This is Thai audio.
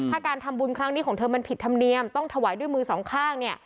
ถ้าการทำบุญครั้งนี้ของเธอมันผิดธรรมเนียมต้องถวายด้วยมือสองข้างเนี่ย